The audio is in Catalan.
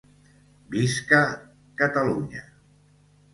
Visca Catalunya